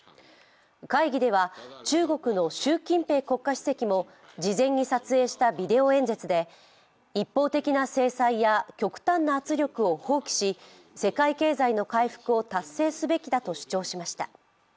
会議では、中国の習近平国家主席も事前に撮影したビデオ演説で一方的な制裁や極端な圧力を放棄し世界経済の回復を達成すべきだと主張しました。